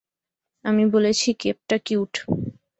আমি বলেছি কেপটা কিউট।